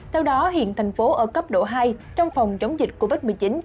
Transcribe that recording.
theo đó hiện thành phố ở cấp độ hai trong phòng chống dịch covid một mươi chín